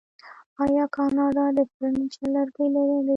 آیا کاناډا د فرنیچر لرګي نلري؟